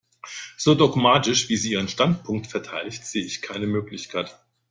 So dogmatisch, wie sie ihren Standpunkt verteidigt, sehe ich keine Möglichkeit.